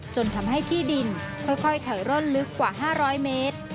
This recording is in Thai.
จนทำให้ที่ดินค่อยถอยร่นลึกกว่า๕๐๐เมตร